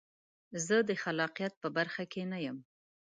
زه د خلاقیت په برخه کې نه یم.